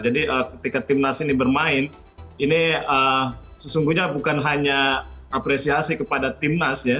jadi ketika tim nas ini bermain ini sesungguhnya bukan hanya apresiasi kepada tim nas ya